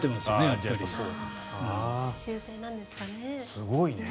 すごいね。